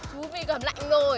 chú bị cầm lạnh rồi